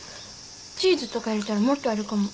チーズとか入れたらもっとあれかも。